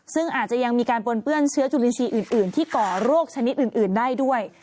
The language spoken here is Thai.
ซึ่งอาจจะยังมีการปนเปื้อนเชื้อจุลินทรีย์อื่นที่ก่อโรคชนิดอื่นได้ด้วย